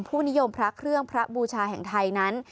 ผู้นิยมพระเครื่องพระบูชาแห่งไทยนั้น